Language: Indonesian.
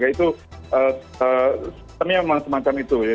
jadi itu memang semacam itu ya